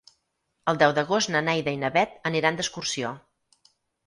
El deu d'agost na Neida i na Bet aniran d'excursió.